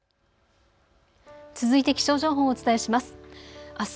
続いて気象情報をお伝えします。